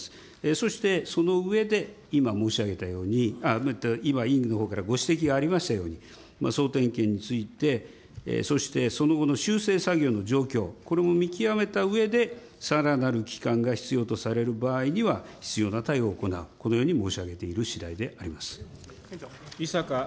そしてその上で、今申し上げたように、今、委員のほうからご指摘がありましたように、総点検についてそして、その後の修正作業の状況、これも見極めたうえで、さらなる期間が必要とされる場合には、必要な対応を行う、このように申し上げているしだいであります。